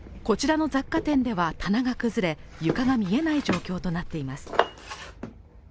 こちらの雑貨店では棚が崩れ、床が見えない状況となっています